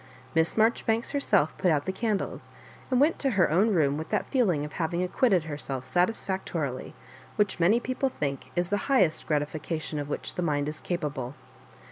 Miss Mar joribanks herself put out the candles, and went to her own room with that feeling of having ac quitted herself satisfactorily which many people think to be the highest gratification of which the mind is capable.